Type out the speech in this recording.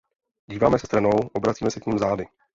Díváme se stranou, obracíme se k nim zády.